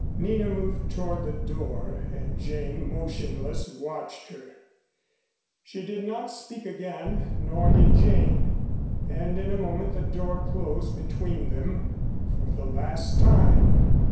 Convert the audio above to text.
Nina moved toward the door, and Jane, motionless, watched her. She did not speak again nor did Jane; and in a moment the door closed between them for the last time.